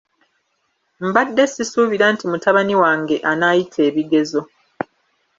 Mbadde sisuubira nti mutabani wange anaayita ebigezo.